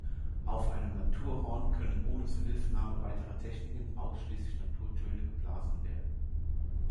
Auf einem Naturhorn können ohne Zuhilfenahme weiterer Techniken ausschließlich Naturtöne geblasen werden.